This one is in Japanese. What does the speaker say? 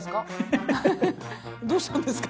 どうしたんですか？